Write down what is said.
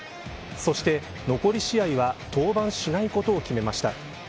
そして残り試合は登板しないことを決めました。